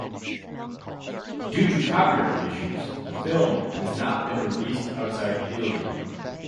Due to copyright issues, the film has not been released outside Italy.